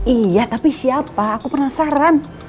iya tapi siapa aku penasaran